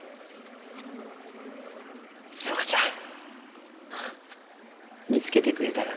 園ちゃん見つけてくれたがかえ？